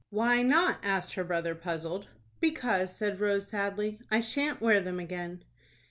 "Why not?" asked her brother, puzzled. "Because," said Rose, sadly, "I shan't wear them again."